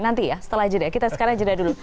nanti ya setelah jeda kita sekarang jeda dulu